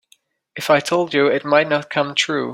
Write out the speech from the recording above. If I told you it might not come true.